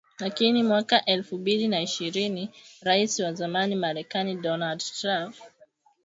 Lakini mwaka elfu mbili na ishirni Rais wa zamani Marekani Donald Trump